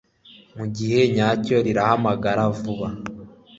Mugihe nyacyo irahamagara vuba